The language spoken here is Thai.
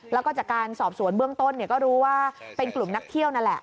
แล้วก็จากการสอบสวนเบื้องต้นก็รู้ว่าเป็นกลุ่มนักเที่ยวนั่นแหละ